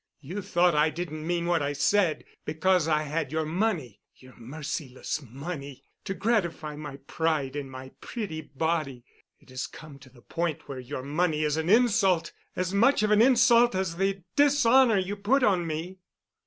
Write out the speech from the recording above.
You thought I didn't mean what I said—because I had your money—your merciless money, to gratify my pride in my pretty body. It has come to the point where your money is an insult—as much of an insult as the dishonor you put on me."